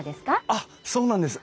あっそうなんです。